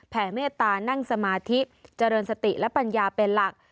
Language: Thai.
เมตตานั่งสมาธิเจริญสติและปัญญาเป็นหลัก